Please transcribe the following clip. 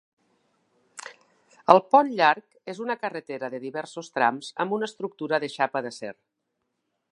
El pont llarg és una carretera de diversos trams amb una estructura de xapa d'acer.